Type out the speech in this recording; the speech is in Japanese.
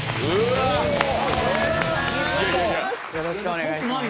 よろしくお願いします。